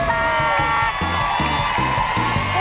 แพงกว่า